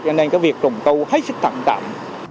cho nên cái việc trùng tu hết sức thẳng tạm